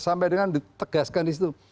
sampai dengan ditegaskan di situ